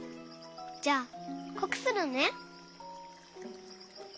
じゃあこくするね！